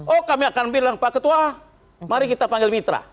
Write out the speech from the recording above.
oh kami akan bilang pak ketua mari kita panggil mitra